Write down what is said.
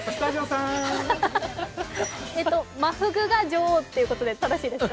マフグが女王ということで正しいですか？